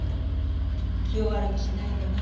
気を悪くしないでね。